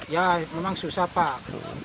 ya memang susah pak